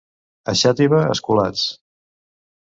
A Xàtiva, esculats.